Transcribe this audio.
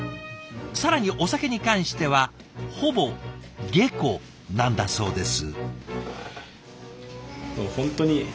更にお酒に関してはほぼ下戸なんだそうです。